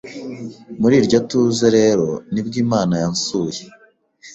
muri iryo tuze rero nibwo Imana yansuye,